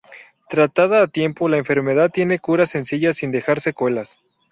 Tratada a tiempo, la enfermedad tiene cura sencilla sin dejar secuelas.